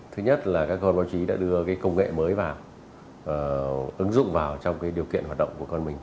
thứ nhất là các con báo chí đã đưa công nghệ mới vào ứng dụng vào trong điều kiện hoạt động của con mình